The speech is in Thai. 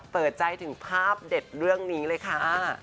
เปิดใจถึงภาพเด็ดเรื่องนี้เลยค่ะ